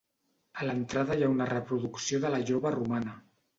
A l'entrada hi ha una reproducció de la lloba romana.